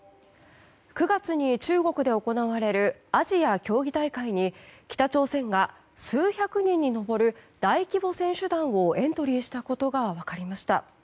９月に中国で行われるアジア競技大会に北朝鮮が数百人に上る大規模選手団をエントリーしたことが分かりました。